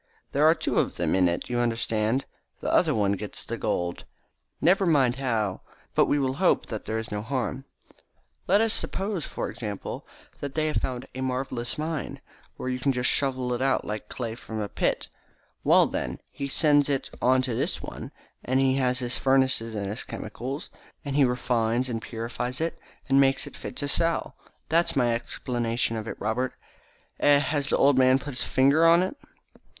There are two of them in it, you understand. The other one gets the gold. Never mind how, but we will hope that there is no harm. Let us suppose, for example, that they have found a marvellous mine, where you can just shovel it out like clay from a pit. Well, then, he sends it on to this one, and he has his furnaces and his chemicals, and he refines and purifies it and makes it fit to sell. That's my explanation of it, Robert. Eh, has the old man put his finger on it?"